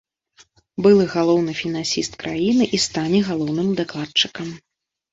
Былы галоўны фінансіст краіны і стане галоўным дакладчыкам.